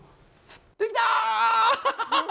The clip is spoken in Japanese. できた！